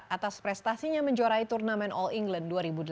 atas prestasinya menjuarai turnamen all england dua ribu delapan belas